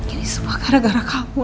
ini semua gara gara kamu